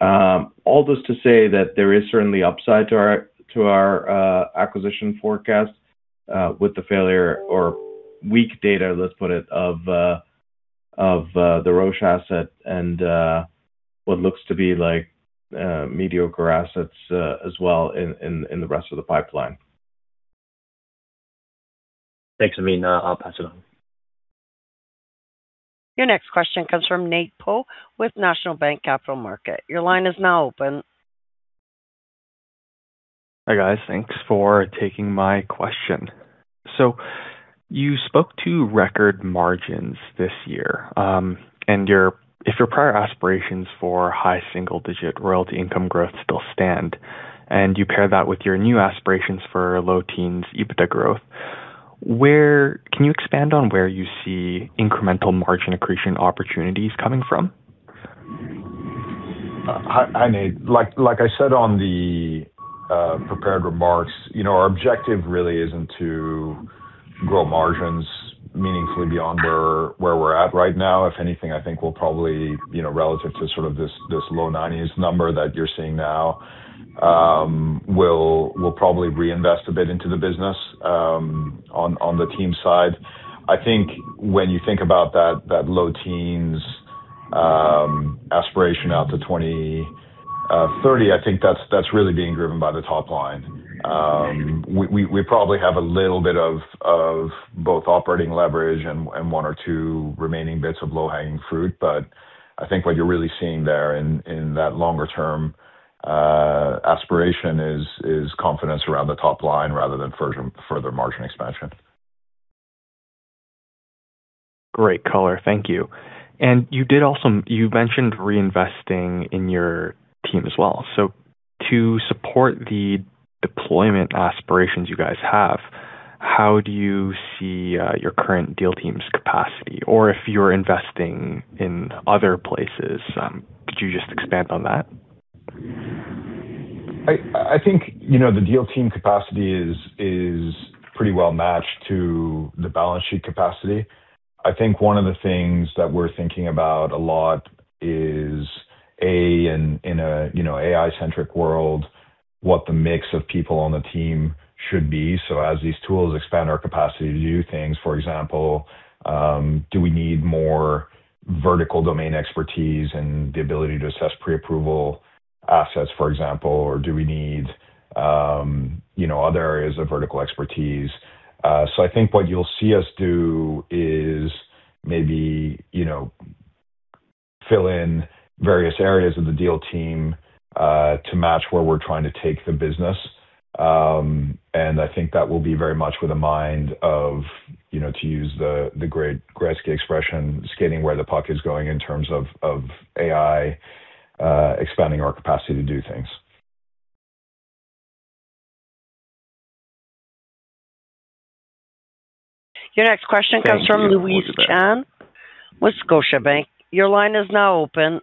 All this to say that there is certainly upside to our acquisition forecast, with the failure or weak data, let's put it, of the Roche asset and what looks to be like mediocre assets as well in the rest of the pipeline. Thanks, Navin. I'll pass it on. Your next question comes from Nate Poe with National Bank Capital Markets. Your line is now open. Hi, guys. Thanks for taking my question. You spoke to record margins this year, and if your prior aspirations for high single-digit royalty income growth still stand, and you pair that with your new aspirations for low teens EBITDA growth, can you expand on where you see incremental margin accretion opportunities coming from? Hi, Nate. Like I said on the prepared remarks, you know, our objective really isn't to grow margins meaningfully beyond where we're at right now. If anything, I think we'll probably, you know, relative to sort of this low 90s number that you're seeing now, we'll probably reinvest a bit into the business on the team side. I think when you think about that low teens aspiration out to 2030, I think that's really being driven by the top line. We probably have a little bit of both operating leverage and one or two remaining bits of low-hanging fruit. I think what you're really seeing there in that longer term aspiration is confidence around the top line rather than further margin expansion. Great color. Thank you. You mentioned reinvesting in your team as well. To support the deployment aspirations you guys have, how do you see your current deal team's capacity? Or if you're investing in other places, could you just expand on that? I think, you know, the deal team capacity is pretty well matched to the balance sheet capacity. I think one of the things that we're thinking about a lot is, A, in a, you know, AI-centric world, what the mix of people on the team should be. As these tools expand our capacity to do things, for example, do we need more vertical domain expertise and the ability to assess pre-approval assets, for example, or do we need, you know, other areas of vertical expertise? I think what you'll see us do is maybe, you know, fill in various areas of the deal team to match where we're trying to take the business. I think that will be very much with a mind of, you know, to use the great Gretzky expression, skating where the puck is going in terms of AI, expanding our capacity to do things. Your next question comes from Louise Chen with Scotiabank. Your line is now open.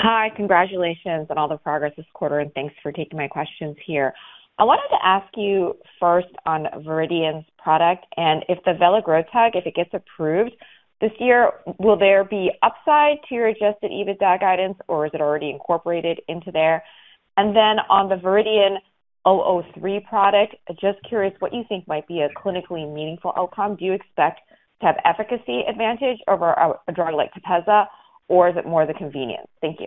Hi. Congratulations on all the progress this quarter. Thanks for taking my questions here. I wanted to ask you first on Viridian's product and if the veligrotug, if it gets approved this year, will there be upside to your Adjusted EBITDA guidance, or is it already incorporated into there? Then on the VRDN-003 product, just curious what you think might be a clinically meaningful outcome. Do you expect to have efficacy advantage over a drug like TEPEZZA, or is it more the convenience? Thank you.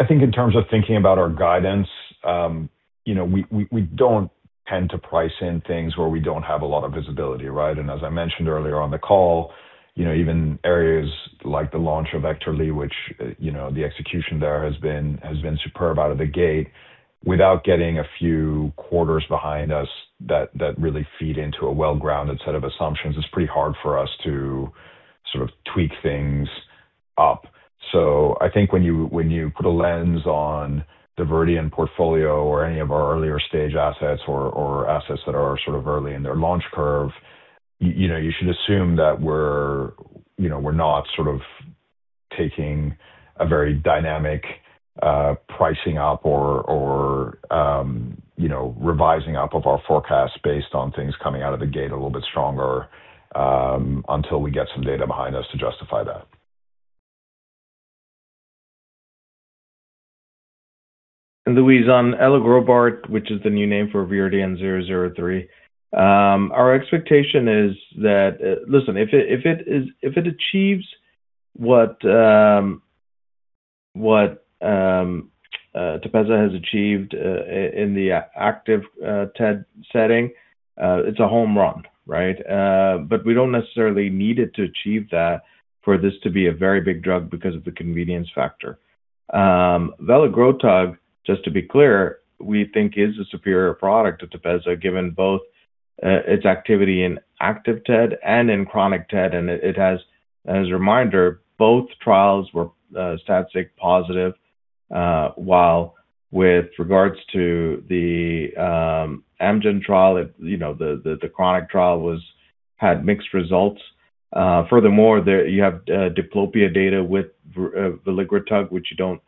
I think in terms of thinking about our guidance, you know, we don't tend to price in things where we don't have a lot of visibility, right? As I mentioned earlier on the call, you know, even areas like the launch of Ekterly, which, you know, the execution there has been superb out of the gate. Without getting a few quarters behind us that really feed into a well-grounded set of assumptions, it's pretty hard for us to sort of tweak things up. I think when you, when you put a lens on the Viridian portfolio or any of our earlier stage assets or assets that are sort of early in their launch curve, you know, you should assume that we're, you know, we're not sort of taking a very dynamic pricing up or, you know, revising up of our forecast based on things coming out of the gate a little bit stronger until we get some data behind us to justify that. Louise, on elegrobart, which is the new name for VRDN-003, our expectation is that. Listen, if it achieves what TEPEZZA has achieved in the active TED setting, it's a home run, right? But we don't necessarily need it to achieve that for this to be a very big drug because of the convenience factor. Veligrotug, just to be clear, we think is a superior product to TEPEZZA, given both its activity in active TED and in chronic TED. As a reminder, both trials were static positive, while with regards to the Amgen trial, the chronic trial had mixed results. Furthermore, there you have diplopia data with veligrotug, which you don't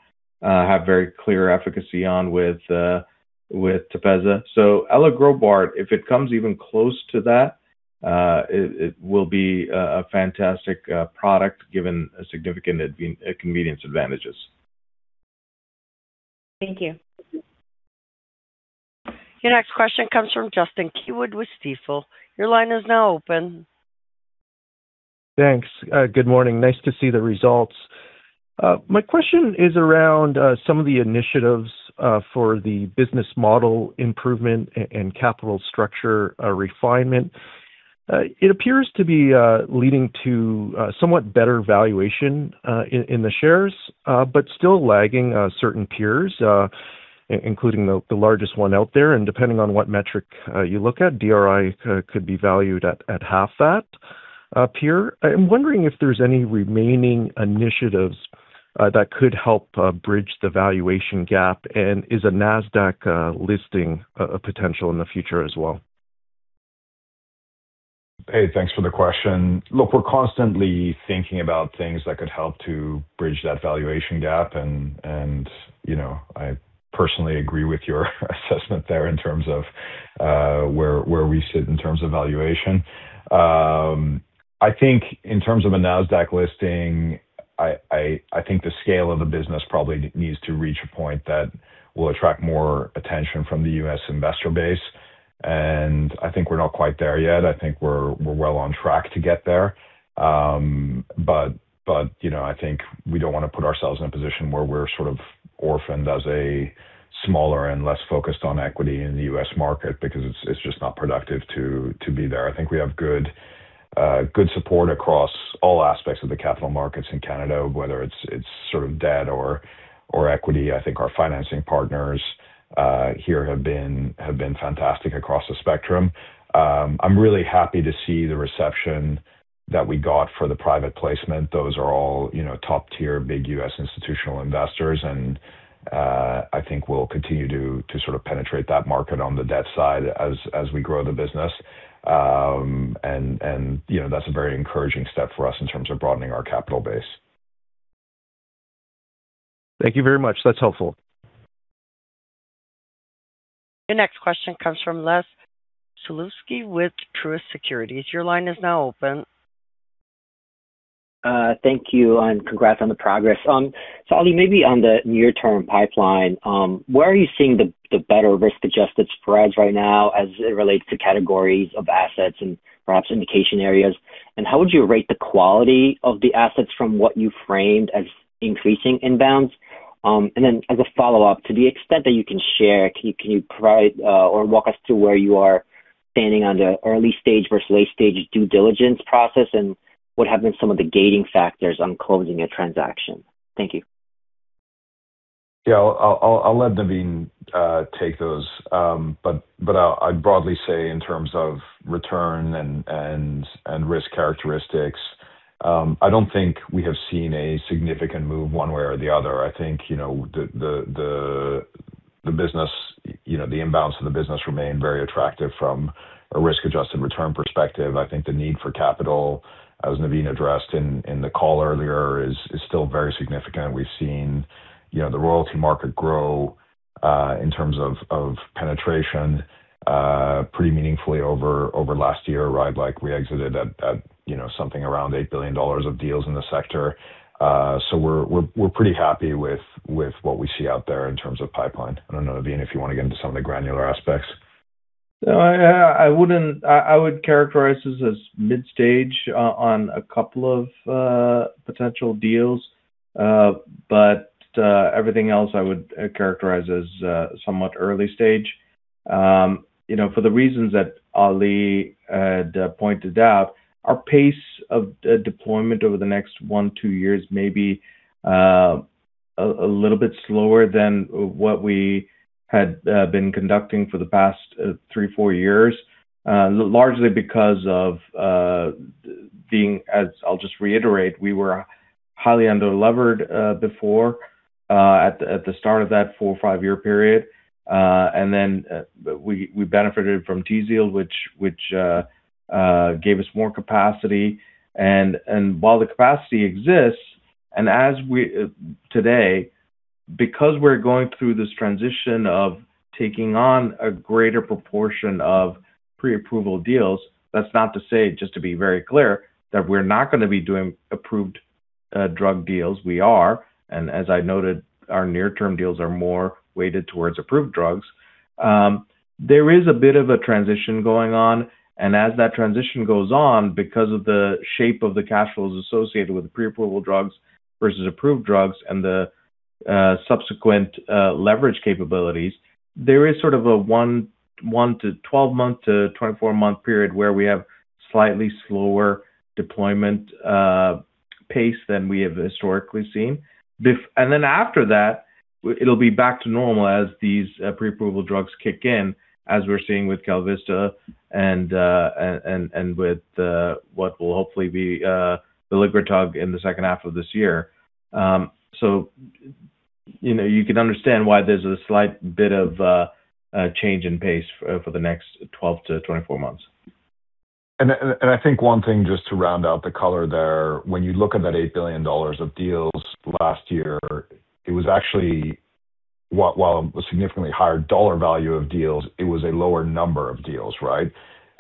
have very clear efficacy on with TEPEZZA. Elegrobart, if it comes even close to that, it will be a fantastic product given a significant convenience advantages. Thank you. Your next question comes from Justin Keywood with Stifel. Your line is now open. Thanks. Good morning. Nice to see the results. My question is around some of the initiatives for the business model improvement and capital structure refinement. It appears to be leading to somewhat better valuation in the shares, but still lagging certain peers, including the largest one out there. Depending on what metric you look at, DRI could be valued at half that peer. I am wondering if there's any remaining initiatives that could help bridge the valuation gap. Is a Nasdaq listing a potential in the future as well? Hey, thanks for the question. Look, we're constantly thinking about things that could help to bridge that valuation gap and, you know, I personally agree with your assessment there in terms of where we sit in terms of valuation. I think in terms of a Nasdaq listing, I think the scale of the business probably needs to reach a point that will attract more attention from the U.S. Investor base, and I think we're not quite there yet. I think we're well on track to get there. But, you know, I think we don't wanna put ourselves in a position where we're sort of orphaned as a smaller and less focused on equity in the U.S. market because it's just not productive to be there. I think we have good support across all aspects of the capital markets in Canada, whether it's sort of debt or equity. I think our financing partners here have been fantastic across the spectrum. I'm really happy to see the reception that we got for the private placement. Those are all, you know, top-tier, big U.S. institutional investors, and I think we'll continue to sort of penetrate that market on the debt side as we grow the business. You know, that's a very encouraging step for us in terms of broadening our capital base. Thank you very much. That's helpful. Your next question comes from Leszek Sulewski with Truist Securities. Your line is now open. Thank you, and congrats on the progress. Ali, maybe on the near-term pipeline, where are you seeing the better risk-adjusted spreads right now as it relates to categories of assets and perhaps indication areas? How would you rate the quality of the assets from what you framed as increasing inbounds? Then as a follow-up, to the extent that you can share, can you provide or walk us to where you are standing on the early stage versus late stage due diligence process, and what have been some of the gating factors on closing a transaction? Thank you. Yeah. I'll let Navin take those. I'd broadly say in terms of return and risk characteristics, I don't think we have seen a significant move one way or the other. I think, you know, the business, you know, the inbounds of the business remain very attractive from a risk-adjusted return perspective. I think the need for capital, as Navin addressed in the call earlier, is still very significant. We've seen, you know, the royalty market grow in terms of penetration pretty meaningfully over last year, right? Like, we exited at, you know, something around $8 billion of deals in the sector. We're pretty happy with what we see out there in terms of pipeline. I don't know, Navin, if you wanna get into some of the granular aspects. No. I would characterize this as mid stage on a couple of potential deals. Everything else I would characterize as somewhat early stage. You know, for the reasons that Ali pointed out, our pace of deployment over the next one, two years may be a little bit slower than what we had been conducting for the past three, four years. Largely because of being, as I'll just reiterate, we were highly under-levered before at the start of that four or five-year period. We benefited from Tzield, which gave us more capacity. While the capacity exists, as we today, because we're going through this transition of taking on a greater proportion of pre-approval deals, that's not to say, just to be very clear, that we're not gonna be doing approved drug deals, we are. As I noted, our near-term deals are more weighted towards approved drugs. There is a bit of a transition going on, and as that transition goes on, because of the shape of the cash flows associated with the pre-approval drugs versus approved drugs and the subsequent leverage capabilities, there is sort of a one- to 12-month to 24-month period where we have slightly slower deployment pace than we have historically seen. Then after that, it'll be back to normal as these pre-approval drugs kick in as we're seeing with KalVista and with what will hopefully be veligrotug in the second half of this year. You know, you can understand why there's a slight bit of a change in pace for the next 12 to 24 months. I think one thing just to round out the color there, when you look at that $8 billion of deals last year, it was actually while it was significantly higher dollar value of deals, it was a lower number of deals, right.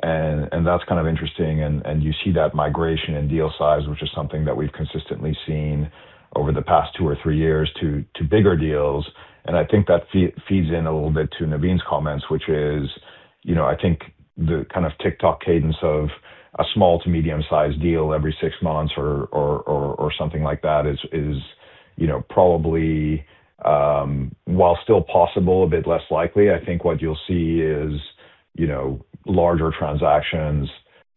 That's kind of interesting and you see that migration in deal size, which is something that we've consistently seen over the past two or three years to bigger deals. I think that feeds in a little bit to Navin's comments, which is, you know, I think the kind of TikTok cadence of a small to medium sized deal every six months or something like that is, you know, probably while still possible, a bit less likely. I think what you'll see is, you know, larger transactions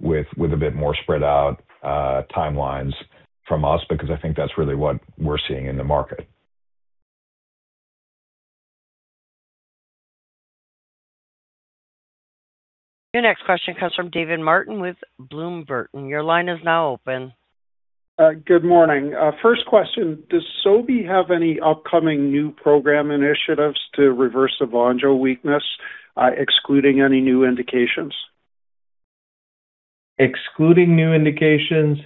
with a bit more spread out timelines from us because I think that's really what we're seeing in the market. Your next question comes from David Martin with Bloom Burton. Your line is now open. Good morning. First question. Does Sobi have any upcoming new program initiatives to reverse the VONJO weakness, excluding any new indications? Excluding new indications,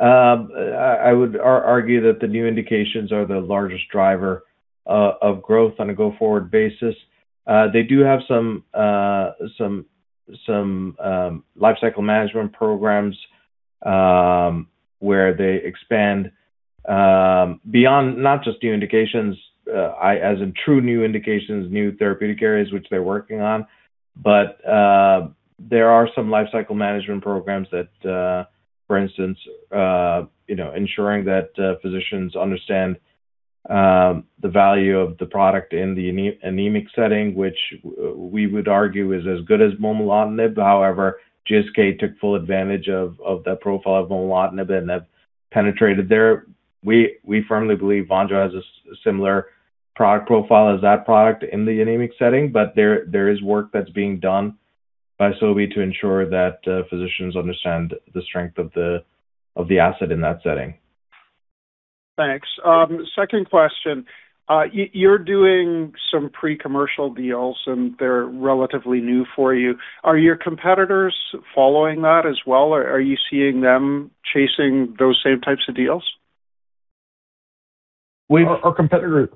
I would argue that the new indications are the largest driver of growth on a go-forward basis. They do have some lifecycle management programs where they expand beyond not just new indications, as in true new indications, new therapeutic areas which they're working on. There are some lifecycle management programs that, for instance, you know, ensuring that physicians understand the value of the product in the anemic setting, which we would argue is as good as momelotinib. However, GSK took full advantage of the profile of momelotinib, and that penetrated there. We firmly believe VONJO has a similar product profile as that product in the anemic setting. There is work that's being done by Sobi to ensure that physicians understand the strength of the asset in that setting. Thanks. Second question. You're doing some pre-commercial deals, and they're relatively new for you. Are your competitors following that as well, or are you seeing them chasing those same types of deals? We've- Our competitor...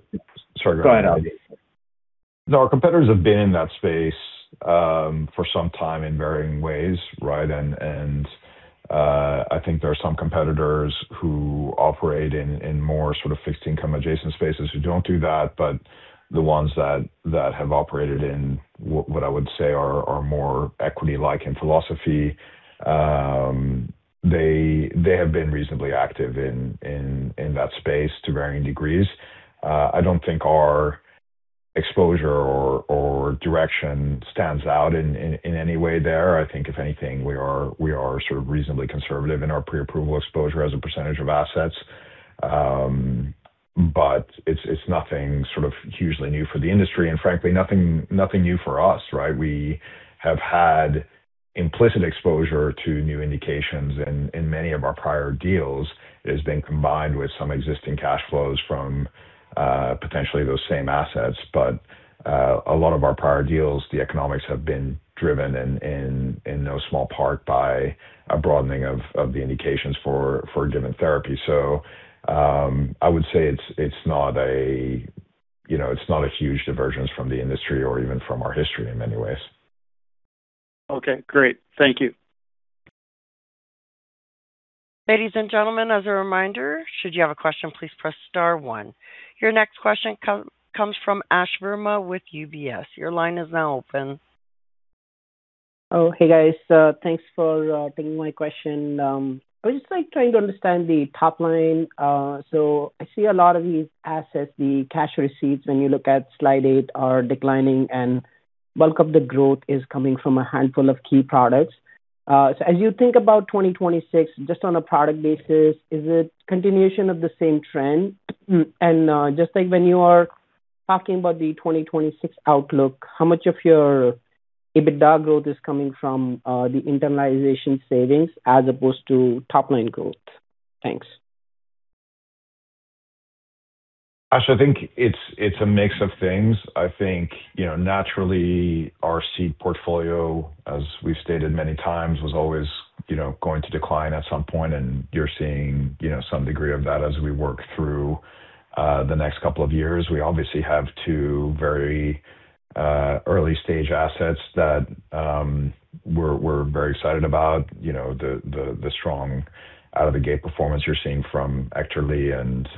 Sorry, go ahead, Navin. Go ahead. No. Our competitors have been in that space, for some time in varying ways, right? I think there are some competitors who operate in more sort of fixed income adjacent spaces who don't do that. The ones that have operated in what I would say are more equity-like in philosophy, they have been reasonably active in that space to varying degrees. I don't think our exposure or direction stands out in any way there. If anything, we are sort of reasonably conservative in our pre-approval exposure as a percentage of assets. It's nothing sort of hugely new for the industry and frankly nothing new for us, right? We have had implicit exposure to new indications and in many of our prior deals, it has been combined with some existing cash flows from, potentially those same assets. A lot of our prior deals, the economics have been driven in no small part by a broadening of the indications for a given therapy. I would say it's not a, you know, huge divergence from the industry or even from our history in many ways. Okay, great. Thank you. Ladies and gentlemen, as a reminder, should you have a question, please press star one. Your next question comes from Ash Verma with UBS. Your line is now open. Hey, guys. Thanks for taking my question. I would just like trying to understand the top line. I see a lot of these assets, the cash receipts, when you look at slide 8 are declining and bulk of the growth is coming from a handful of key products. As you think about 2026 just on a product basis, is it continuation of the same trend? Just like when you are talking about the 2026 outlook, how much of your EBITDA growth is coming from the internalization savings as opposed to top line growth? Thanks. Ash, I think it's a mix of things. I think, you know, naturally our seed portfolio, as we've stated many times, was always, you know, going to decline at some point, and you're seeing, you know, some degree of that as we work through the next couple of years. We obviously have two very early stage assets that we're very excited about, you know, the strong out of the gate performance you're seeing from Ekterly and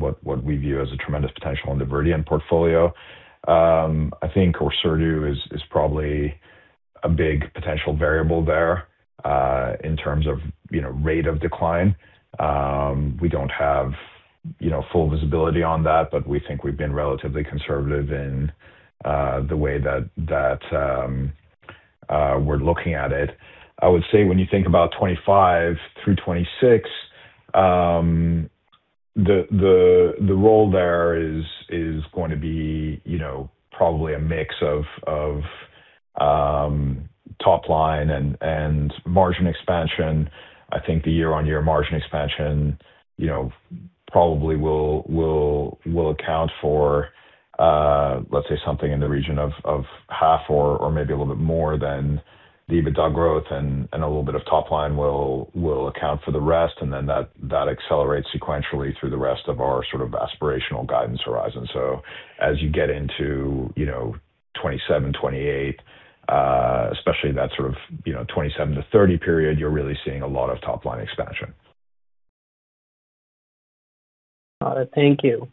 what we view as a tremendous potential in the Viridian portfolio. I think Orserdu is probably a big potential variable there, in terms of, you know, rate of decline. We don't have, you know, full visibility on that, but we think we've been relatively conservative in the way that we're looking at it. I would say when you think about 2025 through 2026, the role there is going to be, you know, probably a mix of top line and margin expansion. I think the year-on-year margin expansion, you know, probably will account for, let's say something in the region of half or maybe a little bit more than the EBITDA growth and a little bit of top line will account for the rest. That accelerates sequentially through the rest of our sort of aspirational guidance horizon. As you get into, you know, 2027, 2028, especially that sort of, you know, 2027 to 2030 period, you're really seeing a lot of top line expansion. Got it. Thank you.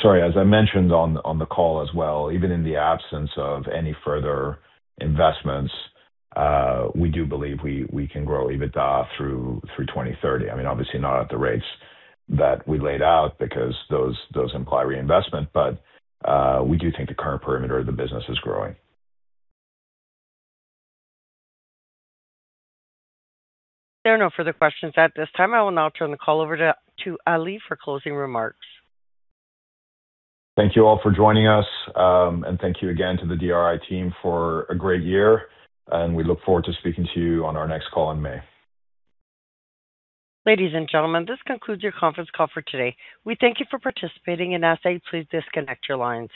Sorry, as I mentioned on the call as well, even in the absence of any further investments, we do believe we can grow EBITDA through 2030. I mean, obviously not at the rates that we laid out because those imply reinvestment, but we do think the current perimeter of the business is growing. There are no further questions at this time. I will now turn the call over to Ali for closing remarks. Thank you all for joining us. Thank you again to the DRI team for a great year, and we look forward to speaking to you on our next call in May. Ladies and gentlemen, this concludes your conference call for today. We thank you for participating and as always, please disconnect your lines.